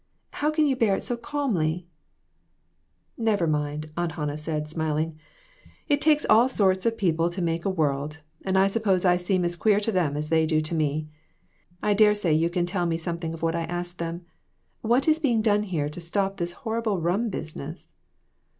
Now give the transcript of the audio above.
How can you bear it so calmly ?"" Never mind," Aunt Hannah said, smiling; 2/2 WITHOUT ARE DOGS. "it takes all sorts of people to make a world, and I suppose I seem as queer to them as they do to me. I dare say you can tell me something of what I asked them. What is being done here to stop this horrible rum business?"